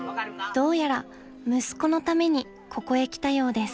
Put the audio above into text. ［どうやら息子のためにここへ来たようです］